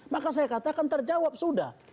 maka saya katakan terjawab sudah